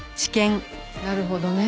なるほどね。